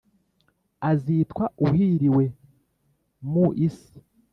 Azitwa uhiriwe mu isi